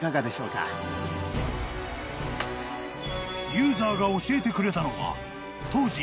［ユーザーが教えてくれたのは当時］